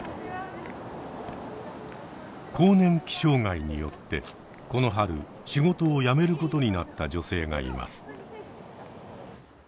更年期障害によってこの春仕事を辞めることになった女性がいます。